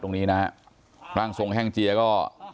ตรงนี้นะฮะร่างทรงแห้งเจียก็